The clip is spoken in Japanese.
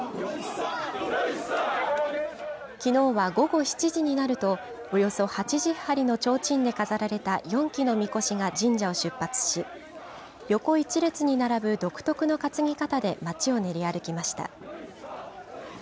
きのうは午後７時になると、およそ８０張りのちょうちんで飾られた４基のみこしが神社を出発し、横一列に並ぶ独特の担ぎ方で町を練り歩きました。